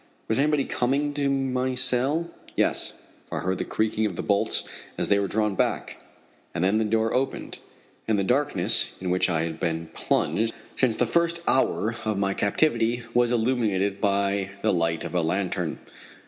Was anybody coming to my cell? Yes, for I heard the creaking of the bolts as they were drawn back, and then the door opened, and the darkness in which I had been plunged since the first hour of my captivity was illumined by the light of a lantern.